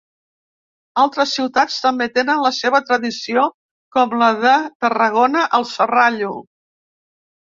Altres ciutats, també tenen la seva tradició com la de Tarragona al Serrallo.